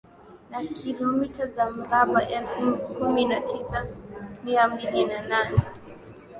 na Kilomita za mraba elfu kumi na tisa mia mbili na nane